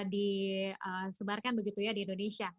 disebarkan begitu ya di indonesia